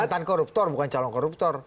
mantan koruptor bukan calon koruptor